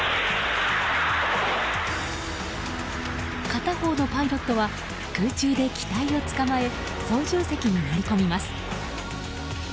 片方のパイロットは空中で機体をつかまえ操縦席に乗り込みます。